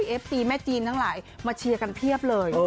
เอฟซีแม่จีนทั้งหลายมาเชียร์กันเพียบเลย